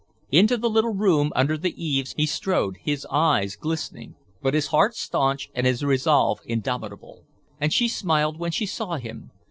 Into the little room under the eaves he strode, his eyes glistening, but his heart staunch and his resolve indomitable. And she smiled when she saw him.